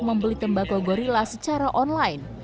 membeli tembakau gorilla secara online